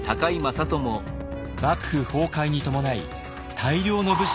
幕府崩壊に伴い大量の武士が失業。